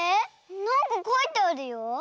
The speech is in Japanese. なんかかいてあるよ。